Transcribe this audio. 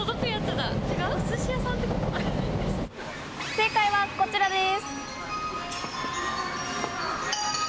正解はこちらです！